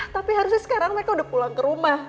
tapi harusnya sekarang mereka udah pulang ke rumah